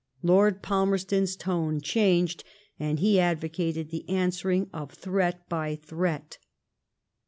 Lord Falmerston's tone changed, and he advooated the answering of threat by threat.